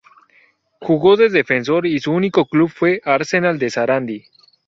Jugó de defensor y su único club fue Arsenal de Sarandí.